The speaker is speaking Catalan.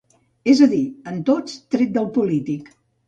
És a dir, en tots tret del polític.